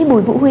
bùi vũ huy